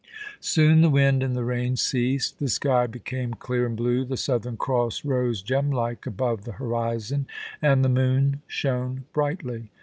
Soon the wind and rain ceased ; the sky became clear and blue ; the Southern Cross rose gem like above the horizon ; and the moon shone brightly.